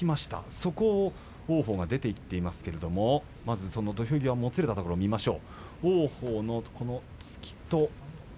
そこを王鵬が出ていったんですが土俵際、もつれていったところ見ましょう。